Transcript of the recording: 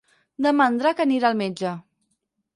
Demà en Drac anirà al metge.